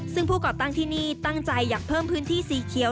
ซึ่งผู้ก่อตั้งที่นี่ตั้งใจอยากเพิ่มพื้นที่สีเขียว